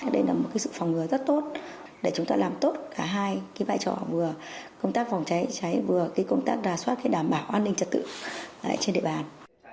đây là một sự phòng ngừa rất tốt để chúng ta làm tốt cả hai vai trò vừa công tác phòng cháy cháy vừa công tác đà soát đảm bảo an ninh trật tự trên địa bàn